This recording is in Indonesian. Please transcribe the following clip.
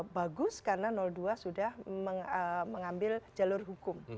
bagus karena dua sudah mengambil jalur hukum